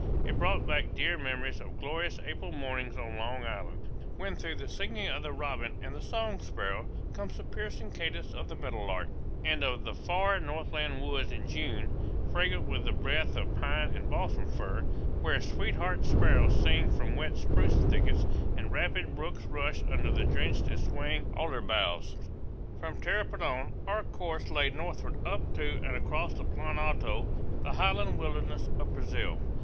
It brought back dear memories of glorious April mornings on Long Island, when through the singing of robin and song sparrow comes the piercing cadence of the meadowlark; and of the far northland woods in June, fragrant with the breath of pine and balsam fir, where sweetheart sparrows sing from wet spruce thickets and rapid brooks rush under the drenched and swaying alder boughs. From Tapirapoan our course lay northward up to and across the Plan Alto, the highland wilderness of Brazil.